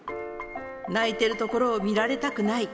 泣いてるところを見られたくない。